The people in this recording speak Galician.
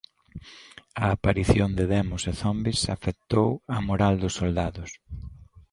A aparición de demos e zombis afectou á moral dos soldados.